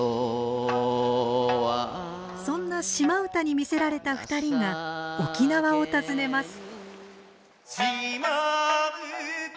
そんな島唄に魅せられた２人が沖縄を訪ねます。